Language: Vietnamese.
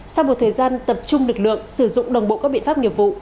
sau một thời gian tập trung lực lượng sử dụng đồng bộ các biện pháp nghiệp vụ